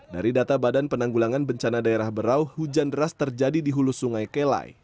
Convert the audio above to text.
dari data badan penanggulangan bencana daerah berau hujan deras terjadi di hulu sungai kelai